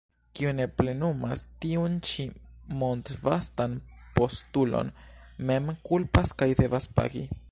Kiu ne plenumas tiun ĉi mondvastan postulon, mem kulpas kaj devas pagi.